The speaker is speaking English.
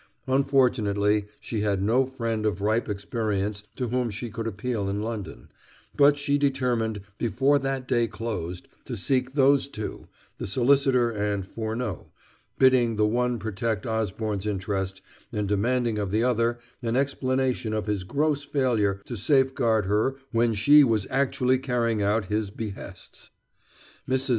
Unfortunately, she had no friend of ripe experience to whom she could appeal in London, but she determined, before that day closed, to seek those two, the solicitor and Furneaux, bidding the one protect Osborne's interests, and demanding of the other an explanation of his gross failure to safeguard her when she was actually carrying out his behests. Mrs.